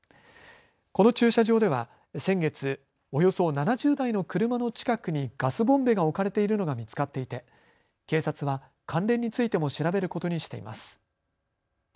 この駐車場では先月、およそ７０台の車の近くにガスボンベが置かれているのが見つかっていて警察は関連についても調べることにしています。